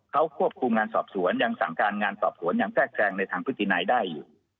เขาควบคุมงานสอบสวนยังสั่งการงานสอบสวนอย่างแทรกแรงในทางพฤตินัยได้อยู่